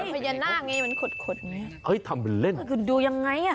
เย็นหน้าไงมันขดทำเป็นเล่นดูยังไง